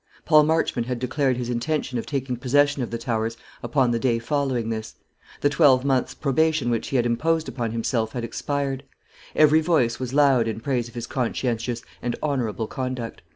Paul Marchmont had declared his intention of taking possession of the Towers upon the day following this. The twelvemonth's probation which he had imposed upon himself had expired; every voice was loud in praise of his conscientious and honourable conduct.